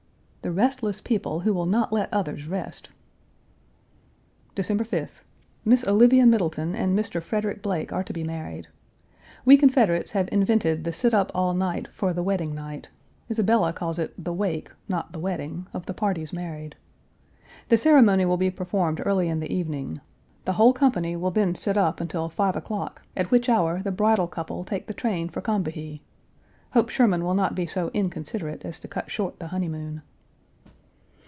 The restless people who will not let others rest! December 5th. Miss Olivia Middleton and Mr. Frederick Blake are to be married. We Confederates have invented the sit up all night for the wedding night; Isabella calls it the wake, not the wedding, of the parties married. The ceremony will be performed early in the evening; the whole company will then sit up until five o'clock, at which hour the bridal couple take the train for Combahee. Hope Sherman will not be so inconsiderate as to cut short the honeymoon.